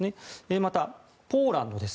また、ポーランドです。